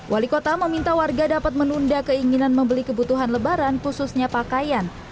wali kota meminta warga dapat menunda keinginan membeli kebutuhan lebaran khususnya pakaian